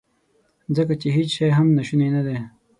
ځکه چې هیڅ شی هم ناشونی ندی.